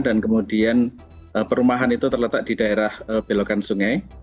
dan kemudian perumahan itu terletak di daerah belokan sungai